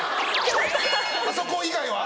あそこ以外は？